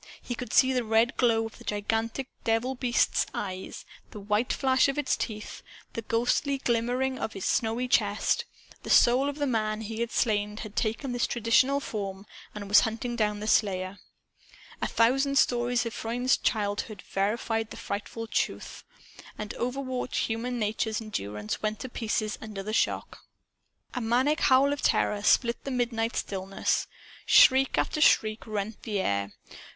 He could see the red glow of the gigantic devil beast's eyes, the white flash of its teeth, the ghostly shimmering of its snowy chest. The soul of the man he had slain had taken this traditional form and was hunting down the slayer! A thousand stories of Freund's childhood verified the frightful truth. And overwrought human nature's endurance went to pieces under the shock. A maniac howl of terror split the midnight stillness. Shriek after shriek rent the air.